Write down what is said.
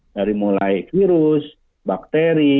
dari mulai virus bakteri